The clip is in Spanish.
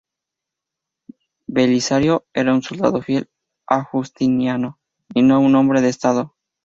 Belisario era un soldado fiel a Justiniano y no un hombre de Estado.